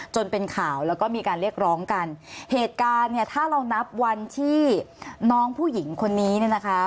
จนเป็นข่าวแล้วก็มีการเรียกร้องกันเหตุการณ์เนี่ยถ้าเรานับวันที่น้องผู้หญิงคนนี้เนี่ยนะคะ